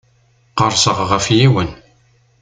Qerrseɣ ɣef yiwen.